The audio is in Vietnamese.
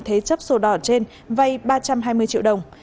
thế chấp sổ đỏ trên vay ba trăm hai mươi triệu đồng